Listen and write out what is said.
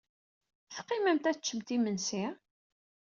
I teqqimemt ad teččemt imensi?